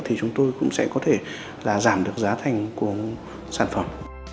thì chúng tôi cũng sẽ có thể là giảm được giá thành của sản phẩm